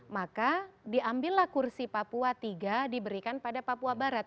maka diambillah kursi papua tiga diberikan pada papua barat